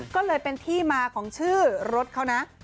ก็เลยเป็นที่มาของชื่อรถเขานะ